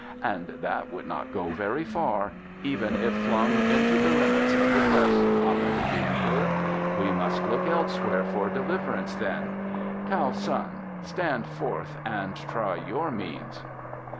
"And that would not go very far even if flung into the limits of the press," commented the Emperor. "We must look elsewhere for deliverance, then. Kiau Sun, stand forth and try your means."